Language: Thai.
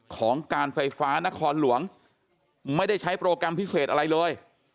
ของการไฟฟ้านครหลวงไม่ได้ใช้โปรแกรมพิเศษอะไรเลย